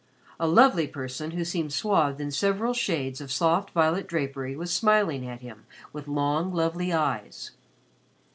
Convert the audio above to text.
A lovely person who seemed swathed in several shades of soft violet drapery was smiling at him with long, lovely eyes.